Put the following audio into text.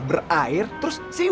berair terus siur